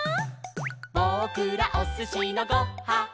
「ぼくらおすしのご・は・ん」